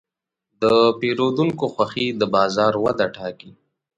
د پیرودونکو خوښي د بازار وده ټاکي.